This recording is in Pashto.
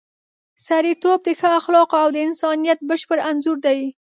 سړیتوب د ښو اخلاقو او د انسانیت بشپړ انځور دی.